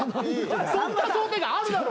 ・そんな想定外あるだろ。